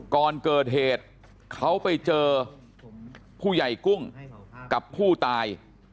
ก่อนเกิดเหตุเขาไปเจอผู้ใหญ่กุ้งกับผู้ตาย